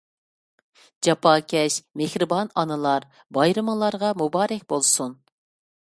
جاپاكەش، مېھرىبان ئانىلار، بايرىمىڭلارغا مۇبارەك بولسۇن!